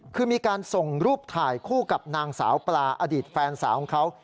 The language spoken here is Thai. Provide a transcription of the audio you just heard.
คือมีการส่งรูปถ่ายคู่กับนางสาวปลาอดีตแฟนสาวของเขา